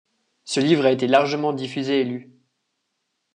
Ce livre a été largement diffusé et lu.